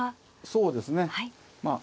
そうですねまあ。